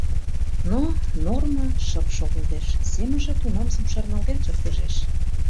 Но Норма шып шогылтеш, семынже тунамсым шарналтен шыргыжеш.